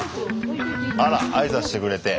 あら挨拶してくれて。